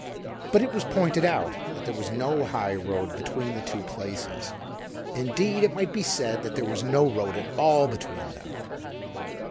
But it was pointed out that there was no high road between the two places; indeed, it might be said that there was no road at all between them.